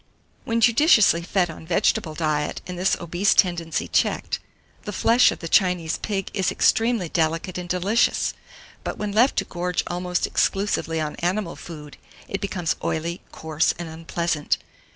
WHEN JUDICIOUSLY FED ON VEGETABLE DIET, and this obese tendency checked, the flesh of the Chinese pig is extremely delicate and delicious; but when left to gorge almost exclusively on animal food, it becomes oily, coarse, and unpleasant.